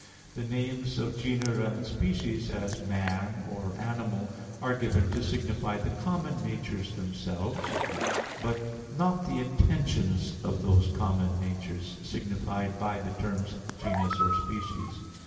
The names of genera and species, as man or animal, are given to signify the common natures themselves, but not the intentions of those common natures, signified by the terms genus or species.